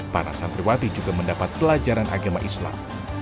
para santri wati juga mendapat pelajaran agama islam